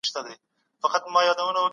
سم نیت آرامتیا نه زیانمنوي.